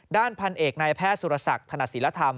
ด้านพันเอกนายแพทย์สุรศักดิ์ธนศิลธรรม